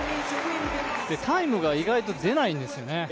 タイムが意外と出ないんですよね。